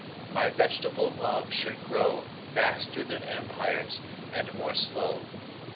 My vegetable Love should growVaster then Empires, and more slow.